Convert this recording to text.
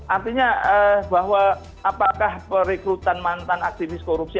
artinya bahwa apakah perekrutan mantan aktivis korupsi